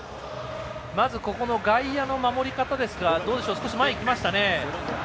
まず、外野の守り方ですが少し前に来ましたね。